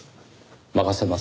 任せます。